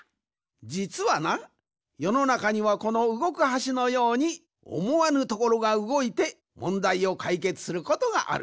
じつはなよのなかにはこのうごく橋のようにおもわぬところがうごいてもんだいをかいけつすることがある。